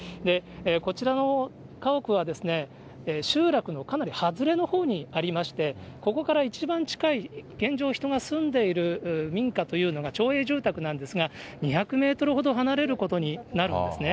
こちらの家屋は、集落のかなり外れのほうにありまして、ここから一番近い、現状人が住んでいる民家というのが町営住宅なんですが、２００メートルほど離れることになるんですね。